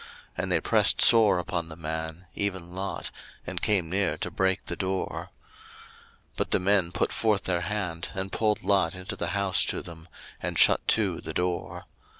And they pressed sore upon the man, even Lot, and came near to break the door. 01:019:010 But the men put forth their hand, and pulled Lot into the house to them, and shut to the door.